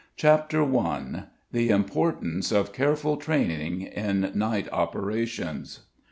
CHAPTER I. THE IMPORTANCE OF CAREFUL TRAINING IN NIGHT OPERATIONS.